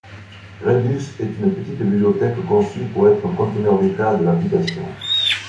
Redux est une petite bibliothèque conçue pour être un conteneur d'état de application.